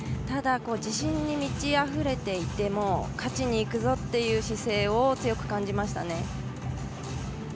ただ、自信に満ちあふれていて勝ちに行くぞという姿勢を強く感じましたね。